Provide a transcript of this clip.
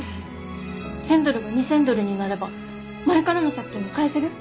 １，０００ドルが２，０００ドルになれば前からの借金も返せる？